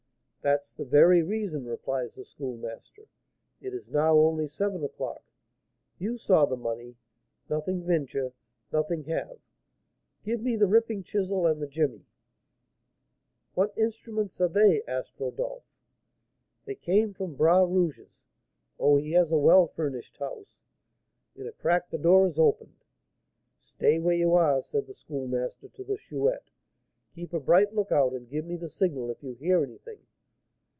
'That's the very reason,' replies the Schoolmaster; 'it is now only seven o'clock. You saw the money, nothing venture, nothing have. Give me the ripping chisel and the jemmy '" "What instruments are they?" asked Rodolph. "They came from Bras Rouge's. Oh, he has a well furnished house! In a crack the door is opened. 'Stay where you are,' said the Schoolmaster to the Chouette; 'keep a bright lookout, and give me the signal if you hear anything.'